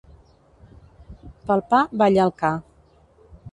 Pel pa balla el ca.